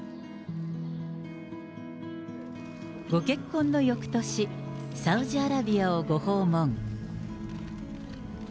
ご結婚のよくとし、サウジアラビアをご訪問。